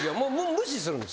無視するんですか？